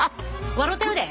笑うてるで。